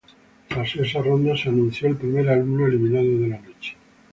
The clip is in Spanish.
Tras esta ronda, fue anunciado el primer alumno eliminado de la noche.